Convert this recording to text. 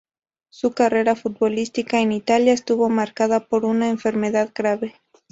Su carrera futbolística en Italia estuvo marcada por una enfermedad grave.